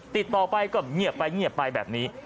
ติดต่อไปก็เงียบไปแบบนี้